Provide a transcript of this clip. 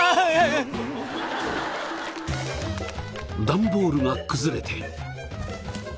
段ボールが崩れて。